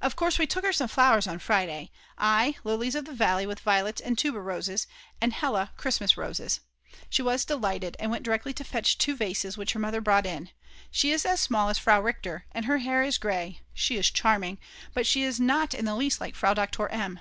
Of course we took her some flowers on Friday, I lilies of the valley with violets and tuberoses, and Hella Christmas roses. She was delighted, and went directly to fetch 2 vases which her mother brought in. She is as small as Frau Richter, and her hair is grey, she is charming; but she is not in the least like Frau Doktor M.